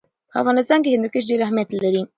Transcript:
په افغانستان کې هندوکش ډېر اهمیت لري.